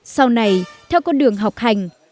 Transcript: sau này theo con đường học hành